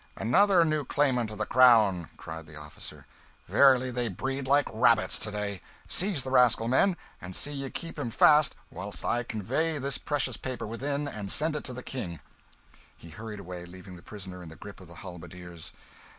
"Another new claimant of the Crown!" cried the officer. "Verily they breed like rabbits, to day. Seize the rascal, men, and see ye keep him fast whilst I convey this precious paper within and send it to the King." He hurried away, leaving the prisoner in the grip of the halberdiers.